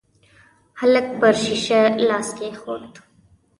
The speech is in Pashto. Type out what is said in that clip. هلک پر شيشه لاس کېښود.